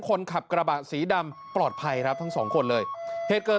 คนขับกระบะสีดำปลอดภัยครับทั้งสองคนเลยเหตุเกิด